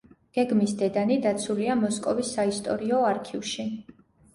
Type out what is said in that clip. გეგმის დედანი დაცულია მოსკოვის საისტორიო არქივში.